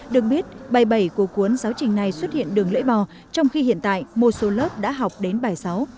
được biết bày bẩy của cuốn giáo trình này xuất hiện đường lưỡi bò trong khi hiện tại một số lớp đã học đến bài sáu